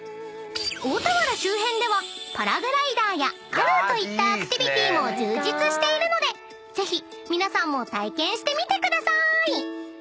［大田原周辺ではパラグライダーやカヌーといったアクティビティーも充実しているのでぜひ皆さんも体験してみてくださーい！］